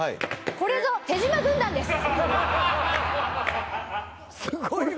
これぞ手島軍団です！